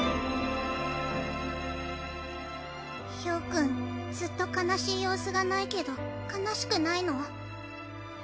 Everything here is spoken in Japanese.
豹君ずっと悲しい様子がないけど悲しくないの？